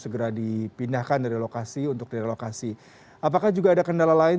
segera dipindahkan dari lokasi untuk direlokasi apakah juga ada kendala lain